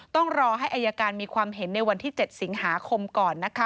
ต้องรอให้อายการมีความเห็นในวันที่๗สิงหาคมก่อนนะคะ